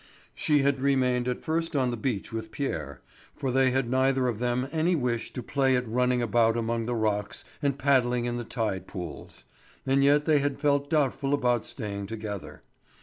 She had remained at first on the beach with Pierre, for they had neither of them any wish to play at running about among the rocks and paddling in the tide pools; and yet they had felt doubtful about staying together.